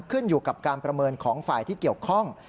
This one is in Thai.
ขึ้นอยู่กับการประเมินของฝ่ายที่เกี่ยวข้อง